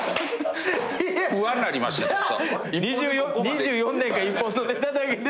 ２４年間１本のネタだけで。